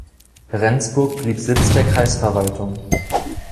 Rendsburg blieb Sitz der Kreisverwaltung.